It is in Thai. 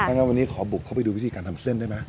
งั้นวันนี้ขอบุกเข้าไปดูวิธีการทำเส้นได้ไหม